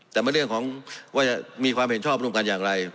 แต่มันเรื่องของว่าจะมีความเห็นชอบร่วมกันอย่างไร